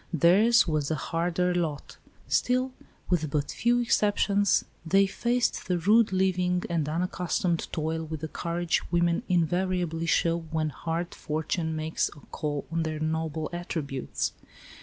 Theirs was the harder lot. Still, with but few exceptions, they faced the rude living and unaccustomed toil with the courage women invariably show when hard fortune makes a call on their nobler attributes.